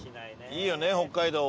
いいよね北海道を。